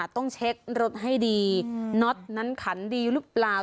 ต้องเช็ครถให้ดีน็อตนั้นคริสต์ดีรึเปล่า